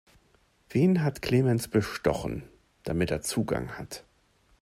Wen hat Clemens bestochen, damit er Zugang hat?